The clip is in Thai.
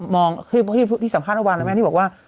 มองคือที่สัมภาษณ์วันนะแม่ที่บอกว่า